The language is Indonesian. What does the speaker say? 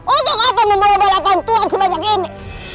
untuk apa membawa balapan tuhan sebanyak ini